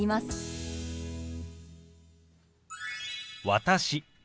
「私」